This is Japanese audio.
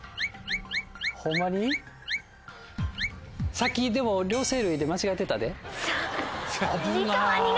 さっきでも「両生類」で間違えてたで。